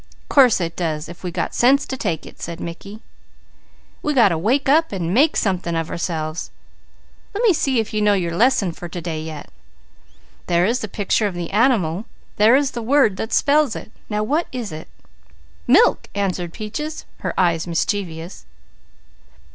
"Course it does if we got sense to take it," said Mickey. "We got to wake up and make something of ourselves. Let me see if you know your lesson for to day yet. There is the picture of the animal there is the word that spells its name. Now what is it?" "Milk!" answered Peaches, her eyes mischievous.